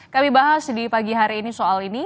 kami bahas di pagi hari ini soal ini